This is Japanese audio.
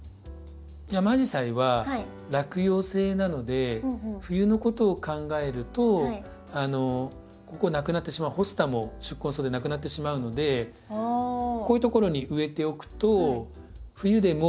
ヤマアジサイは落葉性なので冬のことを考えるとここなくなってしまうホスタも宿根草でなくなってしまうのでこういうところに植えておくと冬でも形が緑が残るので。